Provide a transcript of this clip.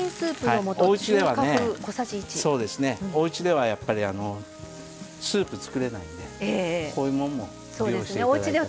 おうちではやっぱりスープ作れないんでこういうもんも利用して頂いたら。